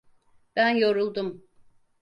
Ben yoruldum.